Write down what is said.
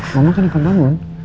mama kan ikut bangun